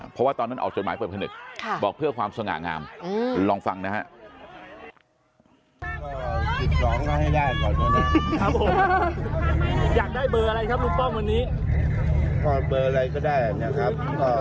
เพราะว่าตอนนั้นออกจดหมายเปิดผนึกบอกเพื่อความสง่างามลองฟังนะฮะ